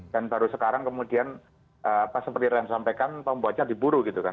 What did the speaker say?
dan baru sekarang kemudian pas seperti renard sampaikan pembuatnya diburu gitu kan